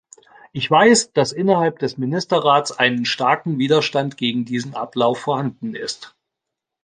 Ich weiß, dass innerhalb des Ministerrats einen starken Widerstand gegen diesen Ablauf vorhanden ist.